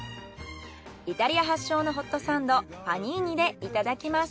イタリア発祥のホットサンドパニーニでいただきます。